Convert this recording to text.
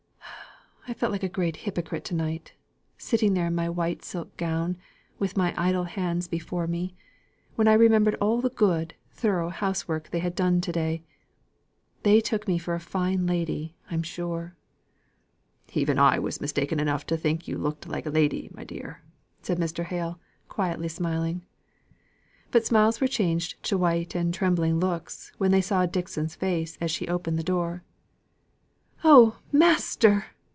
I felt like a great hypocrite to night, sitting there in my white silk gown, with my idle hands before me, when I remembered all the good, thorough, house work they had done to day. They took me for a fine lady, I'm sure." "Even I was mistaken enough to think you looked like a lady, my dear," said Mr. Hale, quietly smiling. But smiles were changed to white and trembling looks when they saw Dixon's face, as she opened the door. "Oh, master!